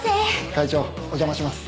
会長お邪魔します。